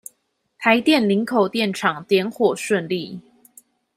台電林口電廠點火順利